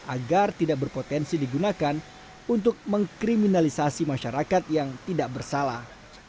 agar tidak berpotensi digunakan untuk mengkriminalisasi masyarakat yang tidak bersalah